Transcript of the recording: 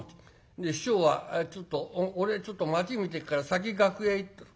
で師匠は「ちょっと俺ちょっと町見てくっから先楽屋行ってろ」。